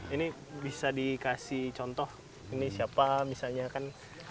ini bisa dikasih contoh ini siapa misalnya kan